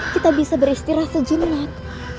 kita bisa beristirahat sejenak